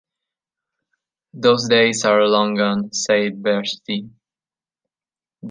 Those days are long gone, said Bertschi.